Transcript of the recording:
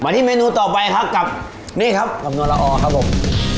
ที่เมนูต่อไปครับกับนี่ครับคำนวลละออครับผม